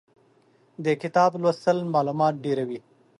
د کتاب لوستل مالومات ډېروي.